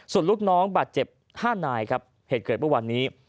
ส่วนลูกน้องบาดเจ็บ๕นายเหตุเกิดวันนี้